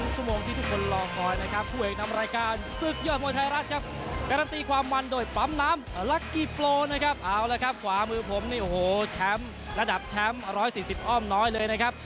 สิงห์สุดยาสักชัยโชชครับ